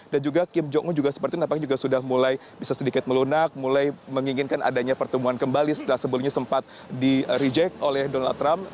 dan juga kim jong un seperti itu apakah sudah mulai sedikit melunak mulai menginginkan adanya pertemuan kembali setelah sebelumnya sempat di reject oleh donald trump